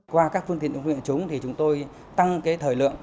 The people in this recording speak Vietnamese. qua các phương tiện ứng hiện chúng chúng tôi tăng thời lượng